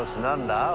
何だ？